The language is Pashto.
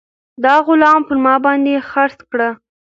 دا غلام پر ما باندې خرڅ کړه.